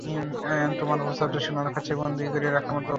তোমার প্রস্তাবটা সোনার খাঁচায় বন্দি পাখির মতো অনুভূতি দিচ্ছে।